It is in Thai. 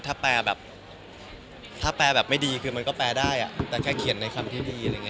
ถ้าแปรแบบไม่ดีคือมันก็แปรได้แต่แค่เขียนในคำที่ดี